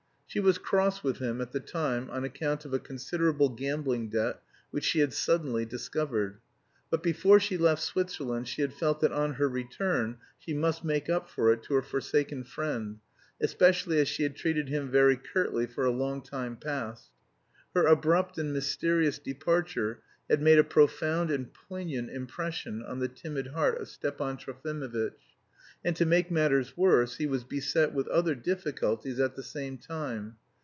She was cross with him at the time on account of a considerable gambling debt which she had suddenly discovered. But before she left Switzerland she had felt that on her return she must make up for it to her forsaken friend, especially as she had treated him very curtly for a long time past. Her abrupt and mysterious departure had made a profound and poignant impression on the timid heart of Stepan Trofimovitch, and to make matters worse he was beset with other difficulties at the same time.